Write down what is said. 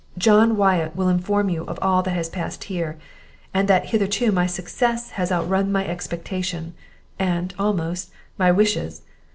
John Wyatt will inform you of all that has passed here, and that hitherto my success has outrun my expectation, and, almost, my wishes.